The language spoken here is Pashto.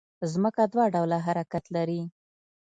ځمکه دوه ډوله حرکت لري